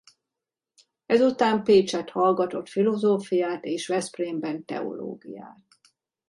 Ezután Pécsett hallgatott filozófiát és Veszprémben teológiát.